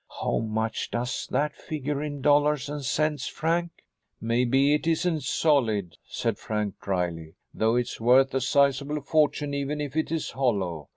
How much does that figure in dollars and cents, Frank?" "Maybe it isn't solid," said Frank dryly, "though it's worth a sizeable fortune even if it is hollow.